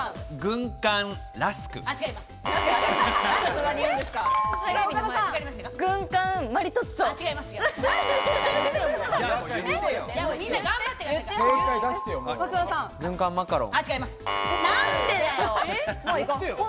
軍艦マカロン。